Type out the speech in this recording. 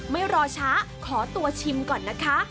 ไม่รอช้าขอตัวชิมก่อนนะคะ